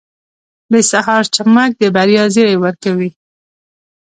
• د سهار چمک د بریا زیری ورکوي.